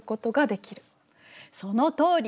そのとおり！